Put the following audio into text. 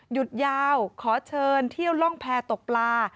หยุดยาวขอเชิญเที่ยวล่องแพรตกปลา